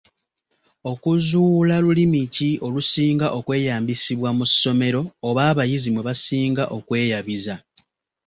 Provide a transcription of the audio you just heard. Okuzuula lulimi ki olusinga okweyambisibwa mu ssomero oba abayizi mwe basinga okweyabiza.